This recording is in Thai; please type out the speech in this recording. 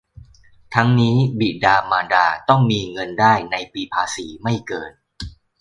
ทั้งนี้บิดามารดาต้องมีเงินได้ในปีภาษีไม่เกิน